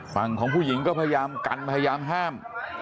ฝั่งของผู้หญิงก็พยายามกันพยายามห้าม